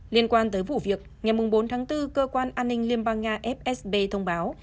liên quan tới vụ việc ngày bốn tháng bốn cơ quan an ninh liên bang nga fsb thông báo